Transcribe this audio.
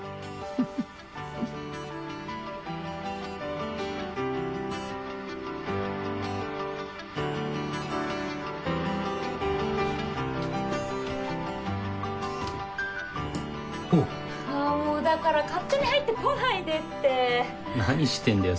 フフッおうあもうだから勝手に入ってこないでって何してんだよ